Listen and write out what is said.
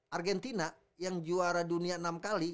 argentina yang juara dunia enam kali